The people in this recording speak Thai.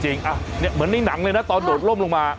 เหมือนในหนังเลยนะตอนโดดล่มลงมา